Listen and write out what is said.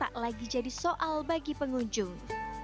apalagi jadi soal bagi pengunjung